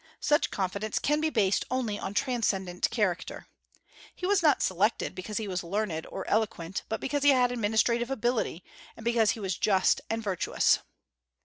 Such confidence can be based only on transcendent character. He was not selected because he was learned or eloquent, but because he had administrative ability; and because he was just and virtuous.